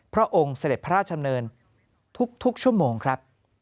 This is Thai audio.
พระองค์เสด็จพระราชดำเนินทุกชั่วโมงครับ